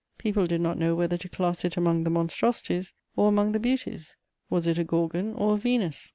People did not know whether to class it among the "monstrosities" or among the "beauties:" was it a Gorgon or a Venus?